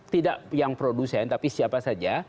tidak yang produsen tapi siapa saja